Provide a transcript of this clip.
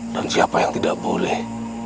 dan siapa yang tidak boleh